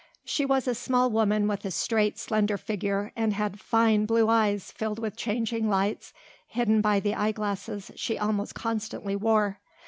She was a small woman with a straight, slender figure and had fine blue eyes filled with changing lights, hidden by the eye glasses she almost constantly wore.